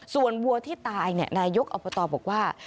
ส่วนวัวที่ตายนายกอบตบอกว่า